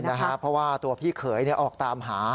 เพราะว่าตัวพี่เขยออกตามหา